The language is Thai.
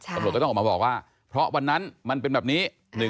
ตำรวจก็ต้องออกมาบอกว่าเพราะวันนั้นมันเป็นแบบนี้